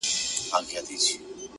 • داسي محراب غواړم؛ داسي محراب راکه؛